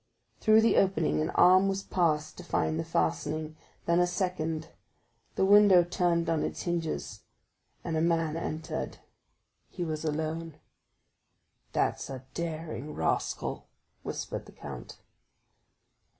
Through the opening an arm was passed to find the fastening, then a second; the window turned on its hinges, and a man entered. He was alone. "That's a daring rascal," whispered the count.